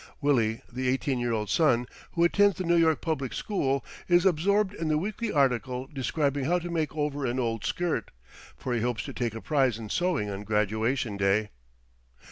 Willie, the eighteen year old son, who attends the New York public school, is absorbed in the weekly article describing how to make over an old skirt, for he hopes to take a prize in sewing on graduation day.